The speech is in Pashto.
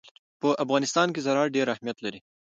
په افغانستان کې زراعت ډېر اهمیت لري.